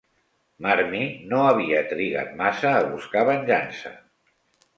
Marmie no havia trigat massa a buscar venjança.